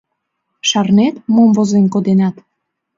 — Шарнет, мом возен коденат?